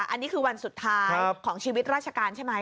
อันนี้คือวันสุดท้ายของชีวิตราชการใช่ไหม